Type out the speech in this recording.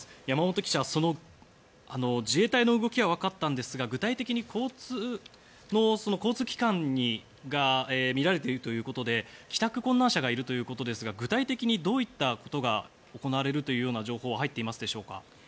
山本記者、自衛隊の動きは分かったんですが具体的に交通機関が乱れているということで帰宅困難者がいるということですが具体的にどういったことが行われるという情報は入っていますでしょうか？